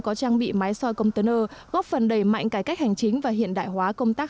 có trang bị máy soi container góp phần đầy mạnh cải cách hành chính và hiện đại hóa công tác